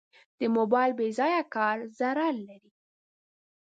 د موبایل بېځایه کار ضرر لري.